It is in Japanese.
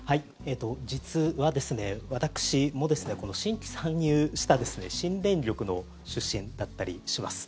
実は、私も新規参入した新電力の出身だったりします。